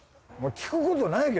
聞くことないよ。